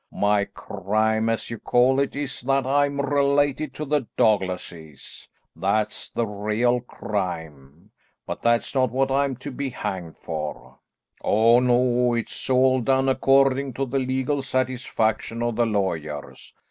My crime, as you call it, is that I'm related to the Douglases; that's the real crime; but that's not what I'm to be hanged for. Oh no, it's all done according to the legal satisfaction of the lawyers.